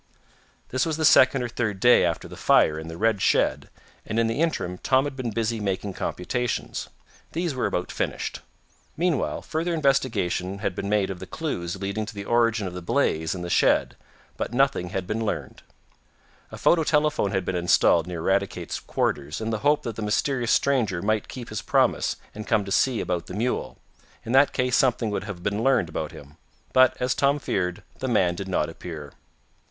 This was the second or third day after the fire in the red shed, and in the interim Tom had been busy making computations. These were about finished. Meanwhile further investigation had been made of clues leading to the origin of the blaze in the shed, but nothing had been learned. A photo telephone had been installed near Eradicate's quarters, in the hope that the mysterious stranger might keep his promise, and come to see about the mule. In that case something would have been learned about him. But, as Tom feared, the man did not appear.